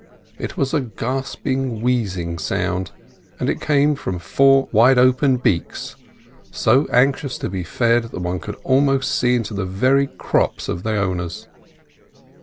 It was a gasping, wheezing sound, and it came from four wide open beaks, so anxious to be fed that one could almost see into the very crops of the owners.